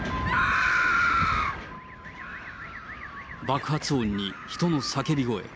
爆発音に、人の叫び声。